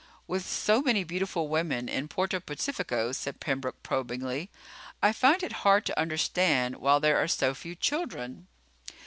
"With so many beautiful women in Puerto Pacifico," said Pembroke probingly, "I find it hard to understand why there are so few children."